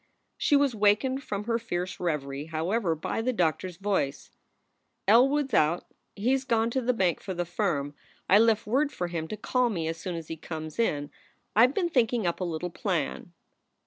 She was wakened from her fierce reverie, however, by the doctor s voice: "El wood s out; he s gone to the bank for the firm. I left word for him to call me as soon as he comes in. I ve been thinking up a little plan."